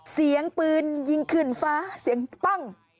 เสียงปืนยิงขึ้นฟ้าเสียงปั้ง